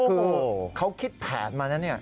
เกฮ่าเขาคิดแผนมานั่น